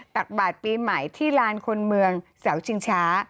ตักบาทปีใหม่ที่ลานคนเมืองเสาชิงช้า